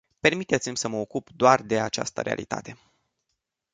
Permiteți-mi să mă ocup doar de această realitate.